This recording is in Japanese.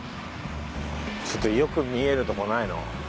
ちょっとよく見えるとこないの？